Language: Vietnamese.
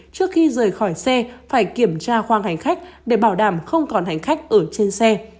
trước khi rời khỏi xe phải kiểm tra khoang hành khách để bảo đảm không còn hành khách ở trên xe